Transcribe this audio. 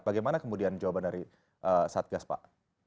bagaimana kemudian jawaban dari satgas pak